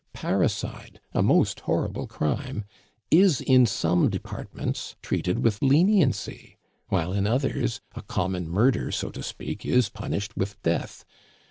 Parricide, a most horrible crime, is in some departments treated with leniency, while in others a common murder, so to speak, is punished with death.